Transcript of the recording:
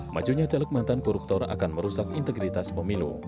majunya caleg mantan koruptor akan merusak integritas pemilu